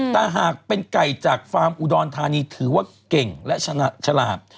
แต่หากเป็นไก่จากฟาร์มอุดรธานีถือว่าเก่งและฉลาด